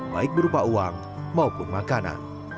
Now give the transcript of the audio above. baik berupa uang maupun makanan